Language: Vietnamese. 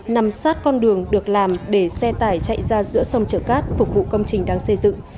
nằm sát con đường được làm để xe tải chạy ra giữa sông chở cát phục vụ công trình đang xây dựng